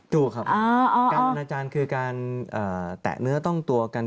ถูกครับการอนาจารย์คือการแตะเนื้อต้องตัวกัน